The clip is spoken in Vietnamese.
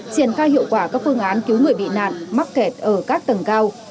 triển khai hiệu quả các phương án cứu người bị nạn mắc kẹt ở các tầng cao